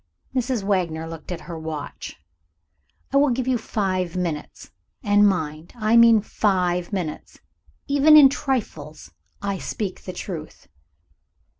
Mrs. Wagner looked at her watch. "I will give you five minutes. And mind, I mean five minutes. Even in trifles, I speak the truth."